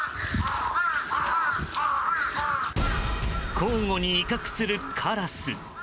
交互に威嚇するカラス。